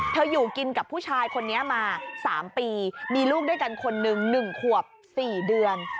อยู่กินกับผู้ชายคนนี้มา๓ปีมีลูกด้วยกันคนหนึ่ง๑ขวบ๔เดือน